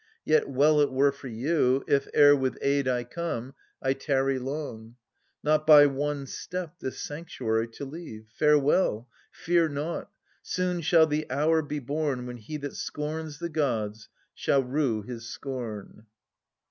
Yet well it were for you, (If, ere with aid I come, I tarry long), Not by one step this sanctuary to leave. Farewell, fear nought : soon shall the hour be born When he that scorns the gods shall rue his scorn.